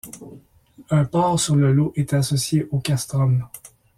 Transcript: Un port sur le Lot était associé au castrum.